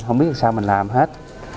không biết làm sao mình làm hết